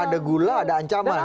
ada gula ada ancaman